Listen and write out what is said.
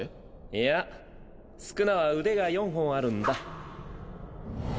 いや宿儺は腕が４本あるんだ。